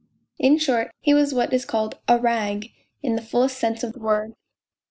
In short, he was what is called " a rag " in the fullest sense of the word.